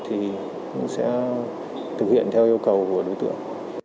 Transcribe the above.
thì cũng sẽ thực hiện theo yêu cầu của đối tượng